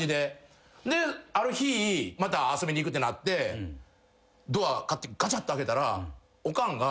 である日また遊びに行くってなってドアガチャッて開けたらおかんが。